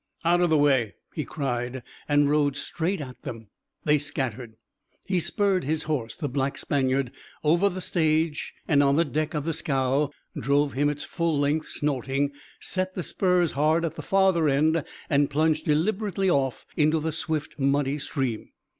"Out of the way!" he cried, and rode straight at them. They scattered. He spurred his horse, the black Spaniard, over the stage and on the deck of the scow, drove him its full length, snorting; set the spurs hard at the farther end and plunged deliberately off into the swift, muddy stream.